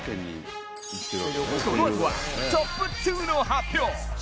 このあとはトップ２の発表。